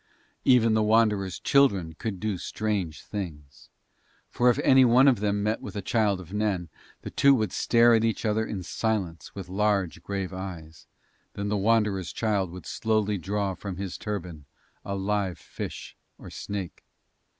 Even the Wanderers' children could do strange things, for if any one of them met with a child of Nen the two would stare at each other in silence with large grave eyes; then the Wanderers' child would slowly draw from his turban a live fish or snake.